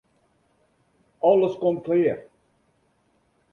Alles komt klear.